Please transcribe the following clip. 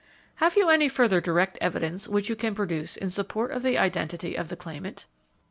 "Have you any further direct evidence which you can produce in support of the identity of the claimant?"